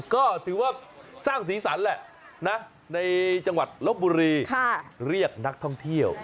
ก็ถือว่าสร้างสีสันแหละนะในจังหวัดลบบุรีเรียกนักท่องเที่ยว